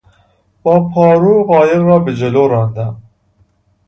با پارو قایق را به جلو راندم.